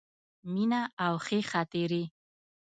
مینه او ښې خاطرې.